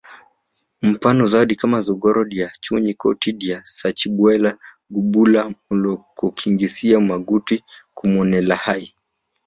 Mfano zawadi kama zogoro dya chunji koti dya sachibwela ngubula mlomokisingisa magutwi kumwonelahi